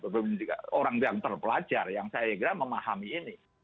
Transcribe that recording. orang yang terpelajar yang saya kira memahami ini